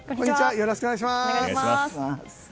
よろしくお願いします。